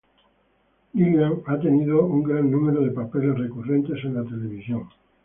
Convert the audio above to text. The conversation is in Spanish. Gilliam ha tenido un gran número de papeles recurrentes en la televisión.